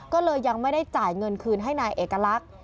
ก็เลยยังไม่ได้จ่ายเงินคืนให้นายเอกลักษณ์